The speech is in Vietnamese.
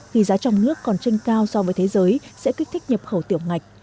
khi giá trong nước còn trên cao so với thế giới sẽ kích thích nhập khẩu tiểu ngạch